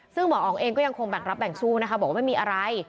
ซึ่งหมออ๋องเองก็ยังคงแบ่งรับแบ่งสู้นะคะบอกว่าไม่มีอะไร